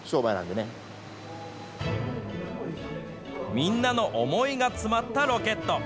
みんなの思いが詰まったロケット。